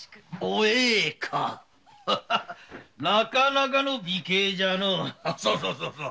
お栄かなかなかの美形じゃの。